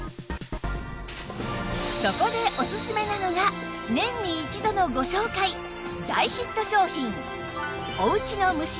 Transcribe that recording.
そこでオススメなのが年に１度のご紹介大ヒット商品